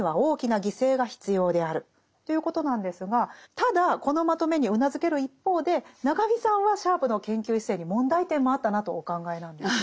ただこのまとめにうなずける一方で中見さんはシャープの研究姿勢に問題点もあったなとお考えなんですよね。